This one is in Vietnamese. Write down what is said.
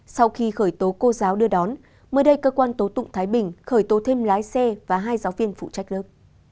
sau khi khởi tố cô giáo đưa đón mới đây cơ quan tố tụng thái bình khởi tố thêm lái xe và hai giáo viên phụ trách lớp